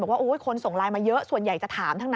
บอกว่าคนส่งไลน์มาเยอะส่วนใหญ่จะถามทั้งนั้น